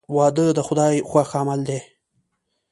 • واده د خدای خوښ عمل دی.